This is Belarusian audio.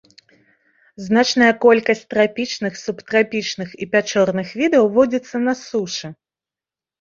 Значная колькасць трапічных, субтрапічных і пячорных відаў водзіцца на сушы.